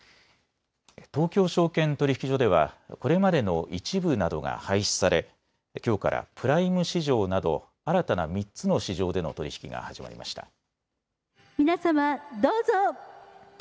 東京証券取引所ではこれまでの１部などが廃止されきょうからプライム市場など新たな３つの市場での取り引きが始まりました。